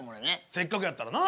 せっかくやったらな。